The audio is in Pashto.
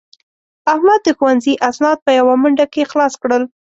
احمد د ښوونځي اسناد په یوه منډه کې خلاص کړل.